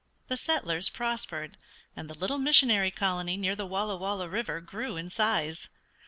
The settlers prospered, and the little missionary colony near the Walla Walla River grew in size.